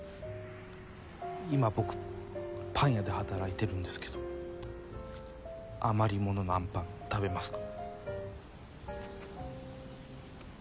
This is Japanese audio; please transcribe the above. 今僕パン屋で働いてるんですけど余り物のアンパン食べますか？